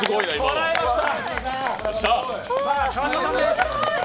こらえました。